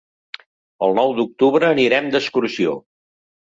El nou d'octubre anirem d'excursió.